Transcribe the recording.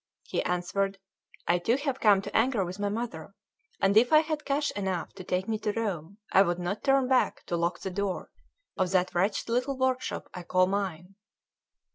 He answered: "I too have come to anger with my mother; and if I had cash enough to take me to Rome, I would not turn back to lock the door of that wretched little workshop I call mine."